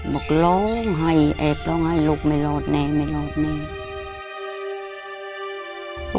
บอกร้องไห้แอบร้องไห้ลูกไม่รอดแน่ไม่รอดแม่